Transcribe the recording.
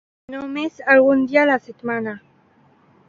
No més algun dia a la setmana